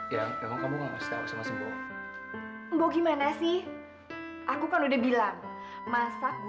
lagi tidak bermaksud membuat kamu jadi seperti itu